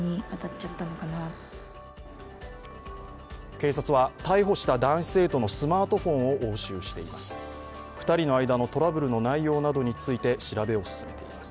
警察は逮捕した男子生徒のスマートフォンを押収しています。